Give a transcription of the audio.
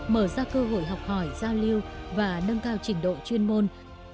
mở ra cơ hội học hỏi giao lưu và nâng cao trình độ chuyên môn